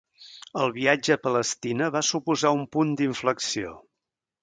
El viatge a Palestina va suposar un punt d'inflexió.